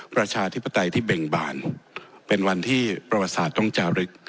ประชาธิปไตยที่เบ่งบานเป็นวันที่ประวัติศาสตร์ต้องจารึก